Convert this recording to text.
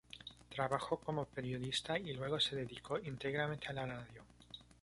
Trabajó como periodista y luego se dedicó íntegramente a la radio.